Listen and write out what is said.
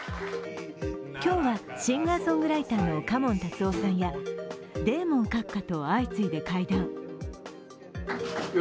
今日はシンガーソングライターの嘉門達夫さんやデーモン閣下と相次いで会談。